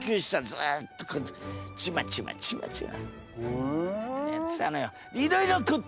ずっとこうやってちまちまちまちまやってたのよ。